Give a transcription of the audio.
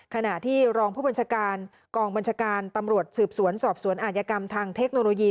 ขณะที่รองผู้บัญชาการกองบัญชาการตำรวจสืบสวนสอบสวนอาจยกรรมทางเทคโนโลยี